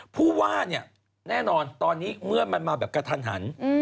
ผู้ว่าเนี่ยแน่นอนตอนนี้เมื่อมันมาแบบกระทันหัน